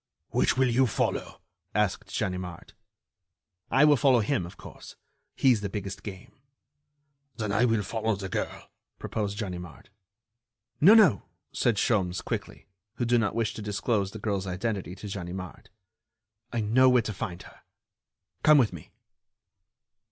"Which will you follow?" asked Ganimard. "I will follow him, of course. He's the biggest game." "Then I will follow the girl," proposed Ganimard. "No, no," said Sholmes, quickly, who did not wish to disclose the girl's identity to Ganimard, "I know where to find her. Come with me."